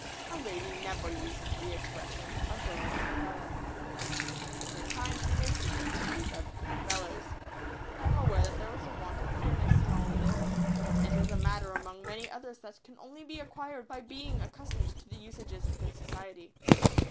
A lady never uses the expression "A girl and a fellow." At the same time she may frequently speak of "young fellows." I am aware that there is a want of clearness in all this, but it is a matter among many others that can only be acquired by being accustomed to the usages of good society.